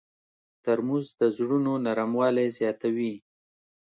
ترموز د زړونو نرموالی زیاتوي.